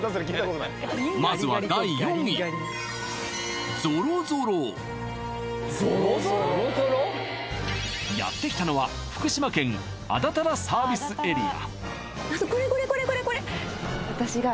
まずは第４位やってきたのは福島県安達太良サービスエリア